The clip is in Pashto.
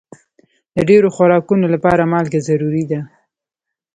د ډېرو خوراکونو لپاره مالګه ضروري ده.